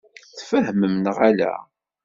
Tfehmem neɣ ala?